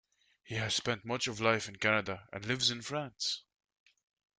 He has spent much of life in Canada and lives in France.